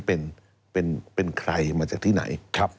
เป็นใครมาจากที่ไหน